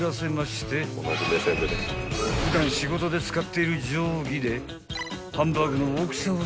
［普段仕事で使っている定規でハンバーグの］